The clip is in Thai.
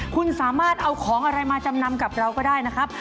คุณสามารถเอาของอะไรมาจำนำกับเราก็ได้นะครับ